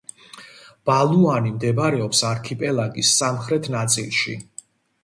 ბალუანი მდებარეობს არქიპელაგის სამხრეთ ნაწილში.